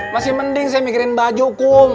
masih mending saya mikirin baju kum